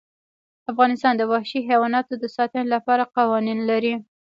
افغانستان د وحشي حیوانات د ساتنې لپاره قوانین لري.